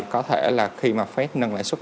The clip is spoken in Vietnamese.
có thể là khi mà phép nâng lãi suất